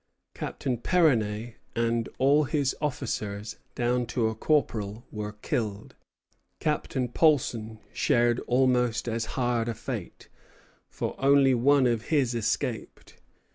Captain Peronney and all his officers down to a corporal were killed. Captain Polson shared almost as hard a fate, for only one of his escaped.